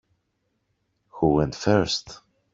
Who went first?